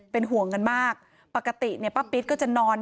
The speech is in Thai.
เป็นห่วงกันมากปกติเนี่ยป้าปิ๊ดก็จะนอน